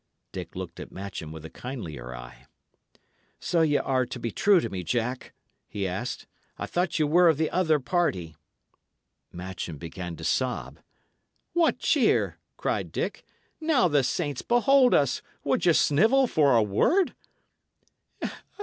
Dick looked at Matcham with a kindlier eye. "So y' are to be true to me, Jack?" he asked. "I thought ye were of the other party." Matcham began to sob. "What cheer!" cried Dick. "Now the saints behold us! would ye snivel for a word?"